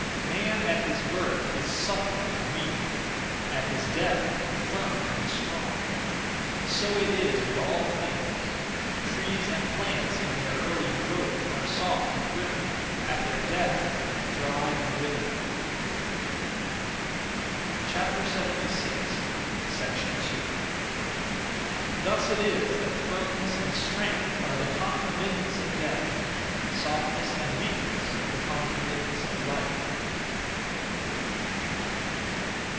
Man at his birth is supple and weak; at his death, firm and strong. (So it is with) all things. Trees and plants, in their early growth, are soft and brittle; at their death, dry and withered. 2. Thus it is that firmness and strength are the concomitants of death; softness and weakness, the concomitants of life.